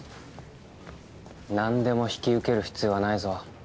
何でも引き受ける必要はないぞ。